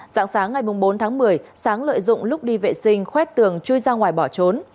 dạng sáng ngày bốn tháng một mươi sáng lợi dụng lúc đi vệ sinh khuét tường chui ra ngoài bỏ trốn